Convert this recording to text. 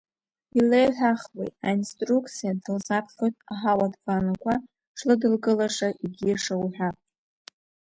Илеиҳәахуеи, аинструкциа дылзаԥхьоит, аҳауатә ванақәа шлыдылкылаша егьиша уҳәа.